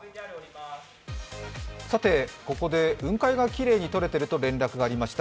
ここで雲海がきれいに撮れていると連絡がありました。